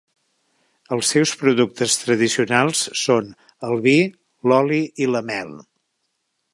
Els seus productes tradicionals són el vi, l'oli i la mel.